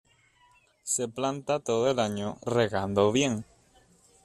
Se planta todo el año, regando bien.